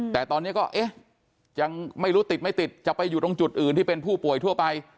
แต่ตอนนี้ก็เอ๊ะยังไม่รู้ติดไม่ติดจะไปอยู่ตรงจุดอื่นที่เป็นผู้ป่วยทั่วไป